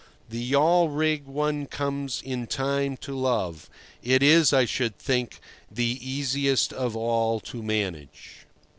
The yawl rig one comes in time to love. It is, I should think, the easiest of all to manage.